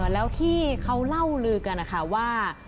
แล้วที่เขาเล่าลือกันนะคะว่า